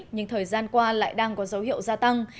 nhưng thời gian qua lại đang có dấu hiệu gia tăng